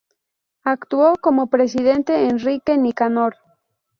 Actuó como presidente Enrique Nicanor.